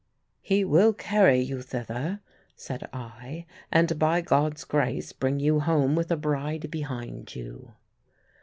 "He will carry you thither," said I; "and by God's grace, bring you home with a bride behind you."